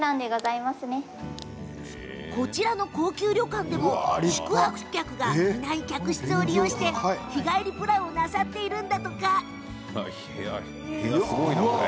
こちらの高級旅館でも宿泊客がいない客室を利用して日帰りプランをなさっているそう。